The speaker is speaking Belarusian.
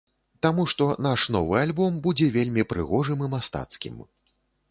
Таму што наш новы альбом будзе вельмі прыгожым і мастацкім.